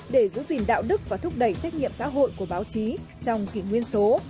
để giữ gìn đạo đức và thúc đẩy trách nhiệm xã hội của báo chí trong kỷ nguyên số